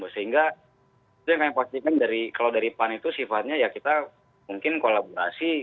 sehingga itu yang kami pastikan kalau dari pan itu sifatnya ya kita mungkin kolaborasi